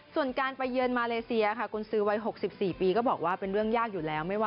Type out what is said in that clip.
ส่วนการไปเยือนมาเลเซียค่ะกุญสือวัย๖๔ปีก็บอกว่าเป็นเรื่องยากอยู่แล้ว